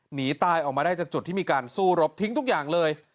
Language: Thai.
หนีตายออกมาได้จากจุดที่มีการสู้รบทิ้งทุกอย่างเลย